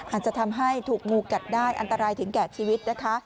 อาจจะทำให้ถูกงูกัดได้อันตรายถึงแก่ชีวิตนะคะ